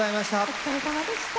お疲れさまでした。